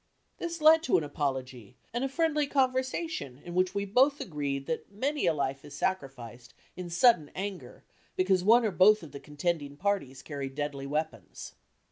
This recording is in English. This led to an apology and a friendly conversation in which we both agreed that many a life is sacrificed in sudden anger because one or both of the contending parties carry deadly weapons.